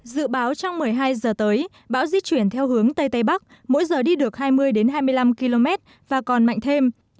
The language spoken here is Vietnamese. dự báo trong một mươi hai giờ tới bão di chuyển theo hướng tây tây bắc mỗi giờ đi được hai mươi hai mươi năm km và còn mạnh thêm